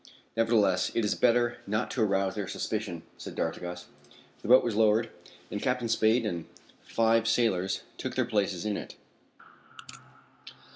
"Nevertheless, it is better not to arouse their suspicion," said d'Artigas. The boat was lowered, and Captain Spade and five sailors took their places in it.